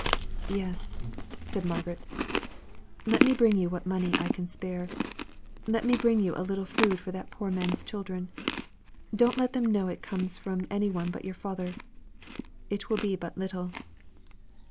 '" "Yes!" said Margaret. "Let me bring you what money I can spare, let me bring you a little food for that poor man's children. Don't let them know it comes from any one but your father. It will be but little."